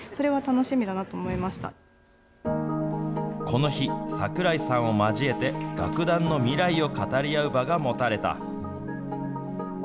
この日、桜井さんを交えて、楽団の未来を語り合う場が持たれた。